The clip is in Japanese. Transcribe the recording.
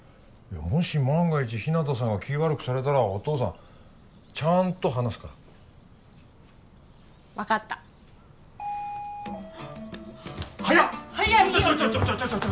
もし万が一日向さんが気悪くされたらお父さんちゃんと話すから分かった早っ！